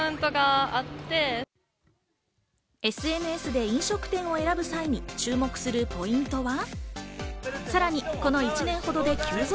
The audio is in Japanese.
ＳＮＳで飲食店を選ぶ際に注目するポイントは？